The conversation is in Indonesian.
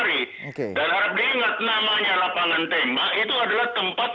artinya orang orang di sana itu bukan orang orang ahli menembak